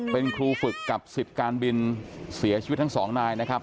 เป็นครูฝึกกับสิทธิ์การบินเสียชีวิตทั้งสองนายนะครับ